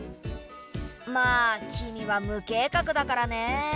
まあキミは無計画だからね。